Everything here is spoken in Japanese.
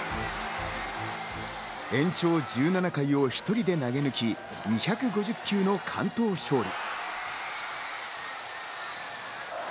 延長１７回を１人で投げ抜き、２５０球の完投勝利。